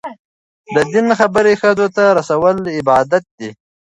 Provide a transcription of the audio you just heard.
د دین خبرې ښځو ته رسول عبادت دی.